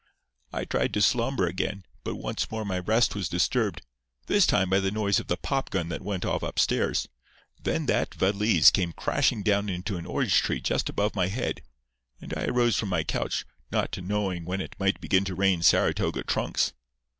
I tried to slumber again; but once more my rest was disturbed—this time by the noise of the popgun that went off upstairs. Then that valise came crashing down into an orange tree just above my head; and I arose from my couch, not knowing when it might begin to rain Saratoga trunks.